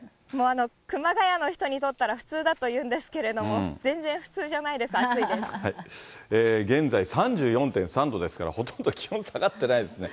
熊谷の人にとったら普通だというんですけれども、全然普通じ現在３４．３度ですから、ほとんど気温下がってないですね。